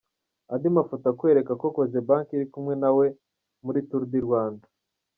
Andi mafoto akwereka ko Cogebanque iri kumwe nawe muri Tour du Rwanda.